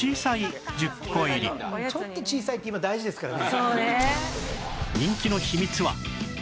「ちょっと小さいって今大事ですからね」